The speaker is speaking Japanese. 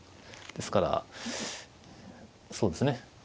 ですからそうですね